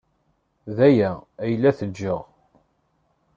D aya ay la ttgeɣ.